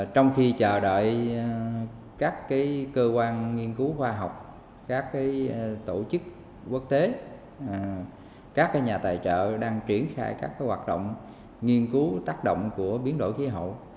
trong khi chờ đợi các cơ quan nghiên cứu khoa học các tổ chức quốc tế các nhà tài trợ đang triển khai các hoạt động nghiên cứu tác động của biến đổi khí hậu